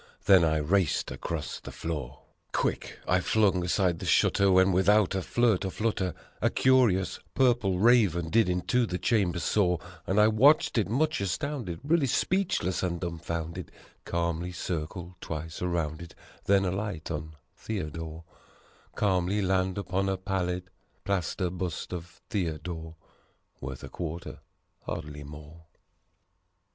Then I raced across the floor: Quick I flung aside the shutter, when, without a flirt or flutter, A curious Purple Raven did into the chamber soar: And I watched it much astounded, really speechless and dumbfounded, Calmly circle twice around it, then alight on Theo dore Calmly land upon a pallid, plaster bust of Theodore . (Worth a quarter hardly more.)